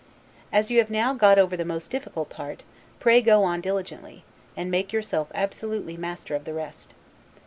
As you have now got over the most difficult part, pray go on diligently, and make yourself absolutely master of the rest.